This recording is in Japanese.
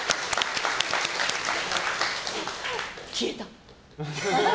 消えた。